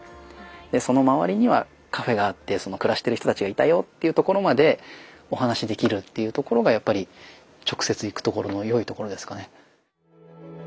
でその周りにはカフェがあって暮らしてる人たちがいたよというところまでお話しできるっていうところがやっぱり直接行くところのよいところですかね。